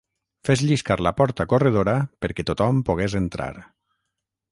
Fes lliscar la porta corredora perquè tothom pogués entrar.